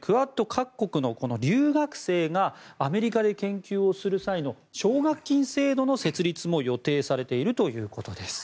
各国の留学生がアメリカで研究をする際の奨学金制度の設立も予定されているということです。